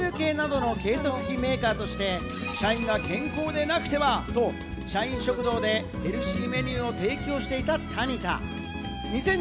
体重計などの計測器メーカーとして社員が健康でなくてはと、社員食堂でヘルシーメニューを提供していた、タニタ。